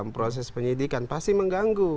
proses penyidikan pasti mengganggu